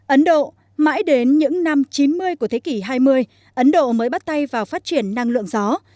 ấn độ mãi đến những năm chín mươi của thế kỷ hai mươi ấn độ mới bắt tay vào phát triển năng lượng gió